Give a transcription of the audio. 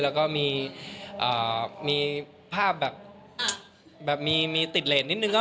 แล้วก็มีภาพแบบมีติดเลสนิดนึง